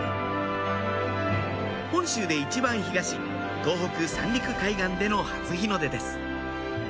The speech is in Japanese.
本州で一番東東北・三陸海岸での初日の出です